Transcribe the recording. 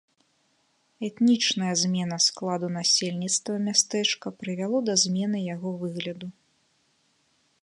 Этнічная змена складу насельніцтва мястэчка прывяло да змены яго выгляду.